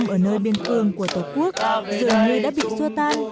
cuối năm ở nơi biên phương của tổ quốc dường như đã bị xua tan